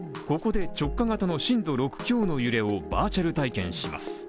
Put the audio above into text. ここで直下型の震度６強の揺れをバーチャル体験します。